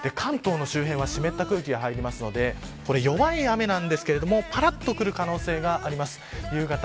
関東の周辺は、湿った空気が入りますので弱い雨なんですけれどもぱらっと降る可能性があります。